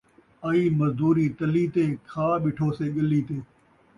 آئی مزدوری تلی تے، کھا ٻٹھوسے ڳلی تے